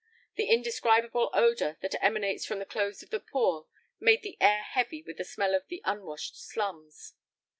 The indescribable odor that emanates from the clothes of the poor made the air heavy with the smell of the unwashed slums.